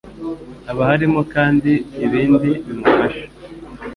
Haba hariho kandi ibindi bimufasha